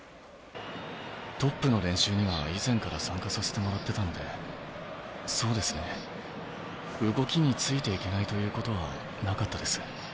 トップの練習には以前から参加させてもらってたのでそうですね動きについていけないということはなかったです。